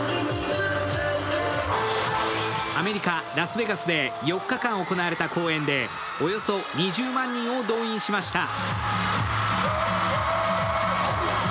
アメリカ・ラスベガスで４日間行われた公演で、およそ２０万人を動員しました。